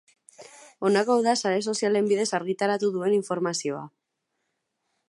Honako hau da sare sozialen bidez argitaratu duen informazioa.